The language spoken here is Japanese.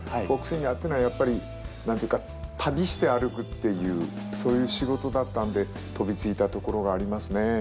フォークシンガーっていうのはやっぱり何て言うか旅して歩くっていうそういう仕事だったんで飛びついたところがありますね。